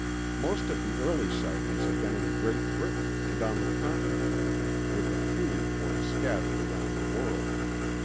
Most of the early sightings had been in Great Britain and on the Continent, with a few reports scattered around the world.